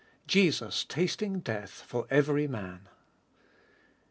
JESUS TASTING DEATH FOR EVERT MAN.